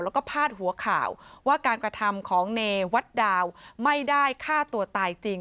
แล้วก็พาดหัวข่าวว่าการกระทำของเนวัดดาวไม่ได้ฆ่าตัวตายจริง